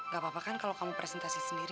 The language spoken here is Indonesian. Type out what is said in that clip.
gak apa apa kan kalau kamu presentasi sendiri